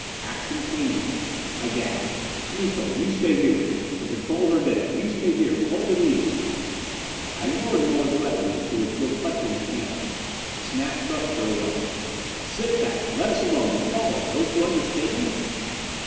Action came to me. I gasped, "Miko, you stay here! The controls are dead! You stay here hold Anita." I ignored Moa's weapon which she was still clutching mechanically. Snap thrust her away. "Sit back! Let us alone! We're falling! Don't you understand?"